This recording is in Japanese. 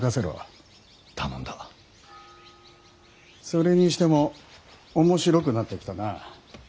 それにしても面白くなってきたな。